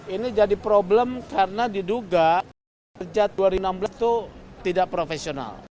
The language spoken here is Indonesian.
ini jadi problem karena diduga sejak dua ribu enam belas itu tidak profesional